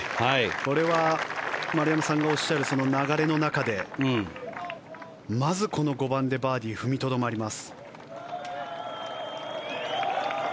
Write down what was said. これは丸山さんがおっしゃる流れの中でまず、この５番でバーディー踏みとどまります。